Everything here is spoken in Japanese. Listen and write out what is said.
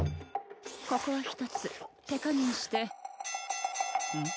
ここはひとつ手加減して・ん？